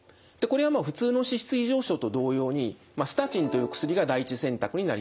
これは普通の脂質異常症と同様にスタチンという薬が第一選択になります。